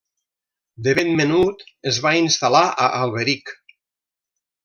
De ben menut es va instal·lar a Alberic.